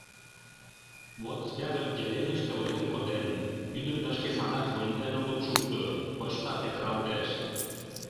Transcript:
Вот связь отделенийыште ойлен коден: йӱдым тышке садак звонитлен огыт шукто, почта петыралтеш...